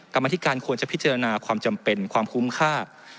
กรรมธิการควรจะพิจารณาความจำเป็นความคุ้มค่า